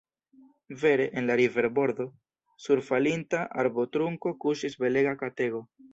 Vere, en la riverbordo, sur falinta arbotrunko kuŝis belega katego.